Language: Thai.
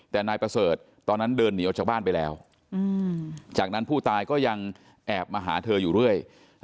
แต่นายประเสริฐตอนนั้นเดินหนีออกจากบ้านไปแล้วจากนั้นผู้ตายก็ยังแอบมาหาเธออยู่เรื่อย